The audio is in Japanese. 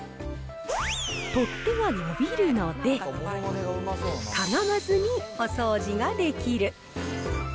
取っ手が伸びるので、かがまずにお掃除ができる。